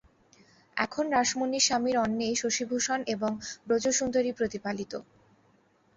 এখন রাসমণির স্বামীর অন্নেই শশিভূষণ এবং ব্রজসুন্দরী প্রতিপালিত।